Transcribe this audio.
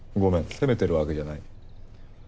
責めてるわけじゃない。